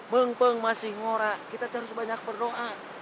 bengpeng masih ngora kita terus banyak berdoa